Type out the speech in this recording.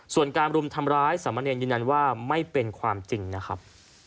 ส่วนการรุมทำร้ายสามเณรยืนยันว่าไม่เป็นความจริงนะครับ